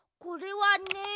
これはね。